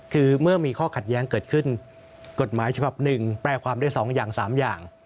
คือเมื่อมีข้อขัดแย้งเกิดขึ้นกฎหมายฉบับ๑แปลความได้๒อย่าง๓อย่าง